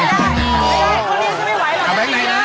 เอาแบงค์ไหนนะ